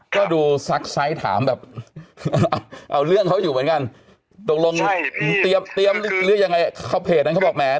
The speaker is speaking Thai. ก็ดูซักไซส์ถามแบบเอาเรื่องเขาอยู่เหมือนกันตกลงเตรียมหรือยังไงเขาเพจนั้นเขาบอกแหม